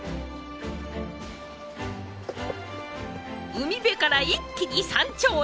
海辺から一気に山頂へ。